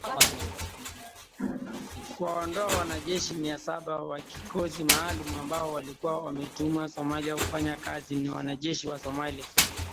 Kuwaondoa wanajeshi mia saba wa kikosi maalum ambao walikuwa wametumwa Somalia kufanya kazi na wanajeshi wa Somalia.